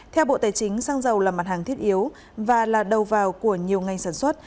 theo bộ tài chính xăng dầu là mặt hàng thiết yếu và là đầu vào của nhiều ngành sản xuất